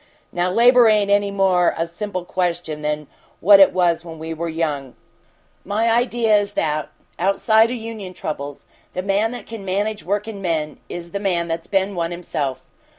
Now, labor ain't any more a simple question than what it was when we were young. My idea is that, outside o' union troubles, the man that can manage workin' men is the man that's been one himself.